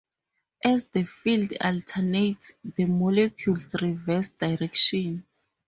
As the field alternates, the molecules reverse direction.